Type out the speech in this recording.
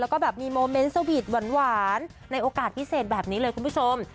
แล้วก็แบบมีโมเมนต์สวีทหวานในโอกาสพิเศษแบบนี้เลยคุณผู้ชม